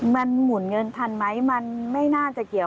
มันหมุนเงินทันไหมมันไม่น่าจะเกี่ยว